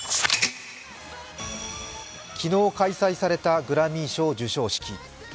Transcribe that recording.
昨日開催されたグラミー賞授賞式。